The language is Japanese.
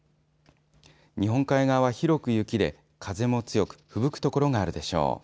日本海側は広く雪で風も強くふぶく所があるでしょう。